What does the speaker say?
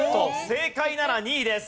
正解なら２位です。